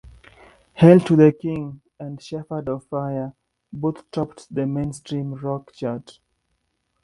"Hail to the King" and "Shepherd of Fire" both topped the Mainstream Rock chart.